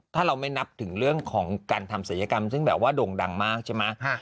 ถ้าเราไม่นับถึงเรื่องของการทำศัลยกรรมซึ่งแบบว่าโด่งดังมากใช่ไหม